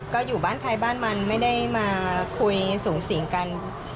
ก็อยู่บ้านใครบ้านมันไม่ได้มาคุยสูงสิงกัน